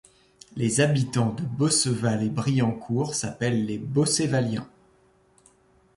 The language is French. Les habitants de Bosseval-et-Briancourt s'appellent les Bossévaliens.